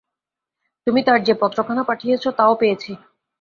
তুমি তার যে পত্রখানা পাঠিয়েছ, তাও পেয়েছি।